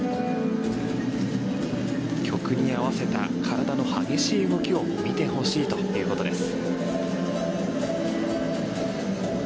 曲に合わせた体の激しい動きを見てほしいということです。